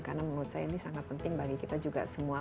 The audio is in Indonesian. karena menurut saya ini sangat penting bagi kita juga semua